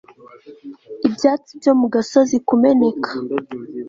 ibyatsi byo mu gasozi kumeneka